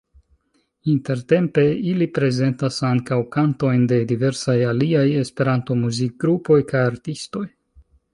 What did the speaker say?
Intertempe ili prezentas ankaŭ kantojn de diversaj aliaj Esperanto-muzikgrupoj kaj -artistoj.